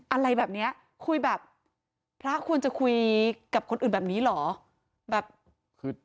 อะไรแบบนี้คุยแบบพระควรจะคุยกับคนอื่นแบบนี้เหรอ